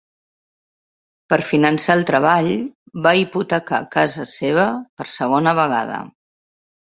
Per finançar el treball, va hipotecar casa seva per segona vegada.